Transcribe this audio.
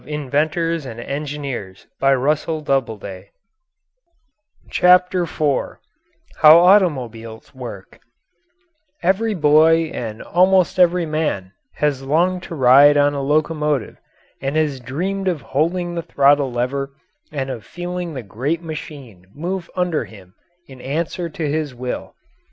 [Illustration: THIRTY YEARS' ADVANCE IN LOCOMOTIVE BUILDING] HOW AUTOMOBILES WORK Every boy and almost every man has longed to ride on a locomotive, and has dreamed of holding the throttle lever and of feeling the great machine move under him in answer to his will.